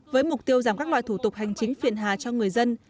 với mục tiêu giảm các loại thủ tục hành chính phiền hà cho người dân